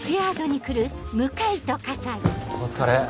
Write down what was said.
お疲れ。